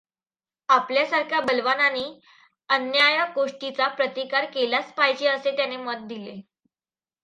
आपल्यासारख्या बलवानानी अन्याय्य गोष्टीचा प्रतिकार केलाच पाहिजे असे त्याने मत दिले.